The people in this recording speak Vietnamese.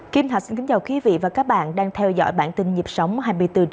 kính thưa quý vị và các bạn đang theo dõi bản tin nhịp sống hai mươi bốn h bảy